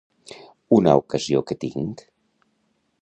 Una ocasió que tinc….